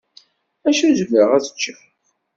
Acu zemreɣ ad ččeɣ?